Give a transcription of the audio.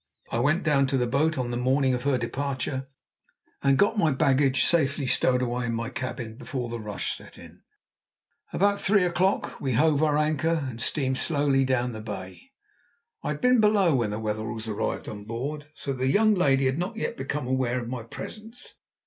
I went down to the boat on the morning of her departure, and got my baggage safely stowed away in my cabin before the rush set in. About three o'clock we hove our anchor and steamed slowly down the Bay. I had been below when the Wetherells arrived on board, so the young lady had not yet become aware of my presence.